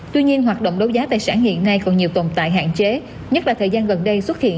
tuy nhiên hoạt động đấu giá tài sản hiện nay còn nhiều tồn tại hạn chế nhất là thời gian gần đây xuất hiện